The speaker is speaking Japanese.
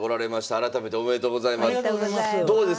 改めておめでとうございます。